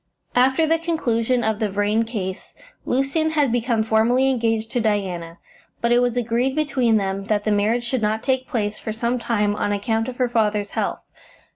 After the conclusion of the Vrain case Lucian had become formally engaged to Diana, but it was agreed between them that the marriage should not take place for some time on account of her father's health.